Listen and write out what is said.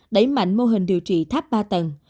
đẩy mạnh mô hình điều trị tháp ba tầng